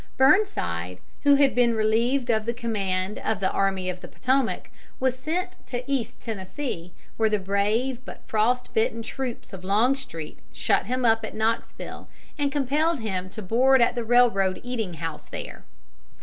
Burnside, who had been relieved of the command of the Army of the Potomac, was sent to East Tennessee, where the brave but frost bitten troops of Longstreet shut him up at Knoxville and compelled him to board at the railroad eating house there.